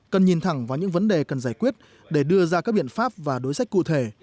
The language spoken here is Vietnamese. cần nhìn thẳng vào những vấn đề cần giải quyết để đưa ra các biện pháp và đối sách cụ thể